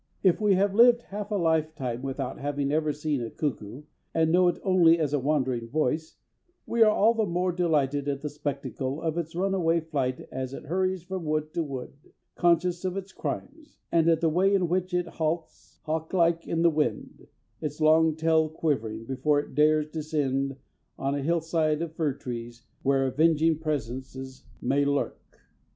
If we have lived half a lifetime without having ever even seen a cuckoo, and know it only as a wandering voice, we are all the more delighted at the spectacle of its runaway flight as it hurries from wood to wood conscious of its crimes, and at the way in which it halts hawk like in the wind, its long tail quivering, before it dares descend on a hill side of fir trees where avenging presences may lurk.